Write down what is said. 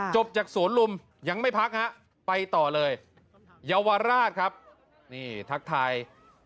จบจากสวนลุมยังไม่พักฮะไปต่อเลยเยาวราชครับนี่ทักทาย